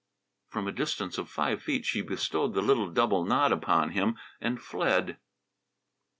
From a distance of five feet she bestowed the little double nod upon him and fled.